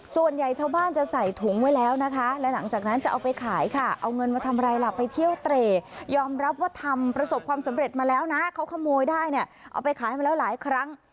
ส่วนใหญ่ชาวบ้านจะใส่ถุงไว้แล้วนะคะและหลังจากนั้นจะเอาไปขายค่ะเอาเงินมาทำอะไรล่ะไปเที่ยวเตร่ยอมรับว่าทำประสบความสำเร็จมาแล้วนะเขาขโมยได้เนี่ยเอาไปขายมาแล้วหลายครั้ง